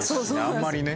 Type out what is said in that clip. あんまりね。